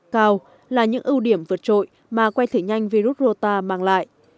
cao là những ưu điểm vượt trội mà que thử nhanh virus rota mang lại